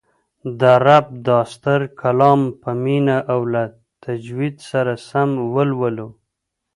د رب دا ستر کلام په مینه او له تجوید سره سم ولولو